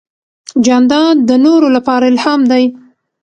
جانداد د نورو لپاره الهام دی.